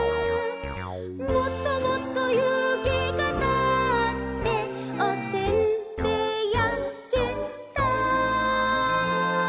「もっともっと湯気がたっておせんべいやけた」